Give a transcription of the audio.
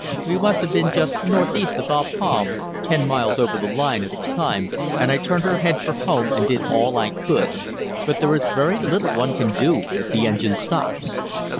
We must have been just N.E. of Bapaume, ten miles over the line, at the time, and I turned her head for home and did all I could; but there is very little one can do if the engine stops.